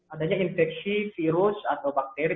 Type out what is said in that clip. adanya infeksi virus atau bakteri